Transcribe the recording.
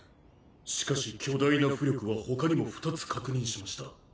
しかし巨大な巫力は他にも２つ確認しました。